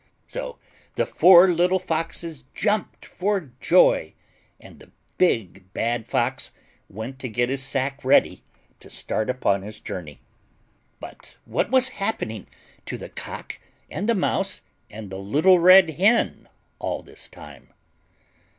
So the four little foxes jumped for joy, and the big bad Fox went to get his sack ready to start upon his journey. But what was happening to the Cock and the Mouse, and the little Red Hen, all this time?